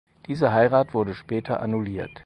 Diese Heirat wurde später annulliert.